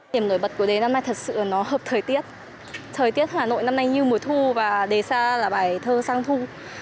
điểm nổi bật của đề năm nay thật sự là nó hợp thời tiết thời tiết hà nội năm nay như mùa thu và đề xa là bài thơ sang thu